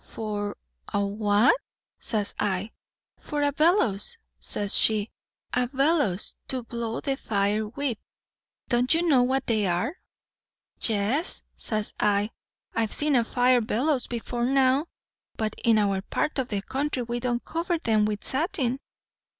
'For a what?' says I. 'For a bellows,' says she; 'a bellows, to blow the fire with. Don't you know what they are?' 'Yes,' says I; 'I've seen a fire bellows before now; but in our part o' the country we don't cover 'em with satin.'